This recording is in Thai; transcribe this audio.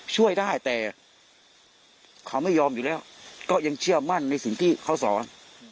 ช่วยได้แต่เขาไม่ยอมอยู่แล้วก็ยังเชื่อมั่นในสิ่งที่เขาสอน